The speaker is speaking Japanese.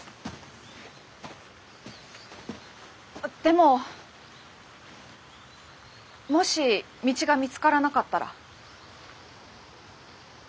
でももし道が見つからなかったら？